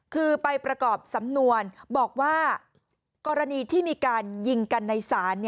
คือไปประกอบสำนวนบอกว่ากรณีที่มีการยิงกันในศาล